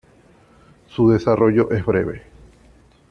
Su desarrollo es breve.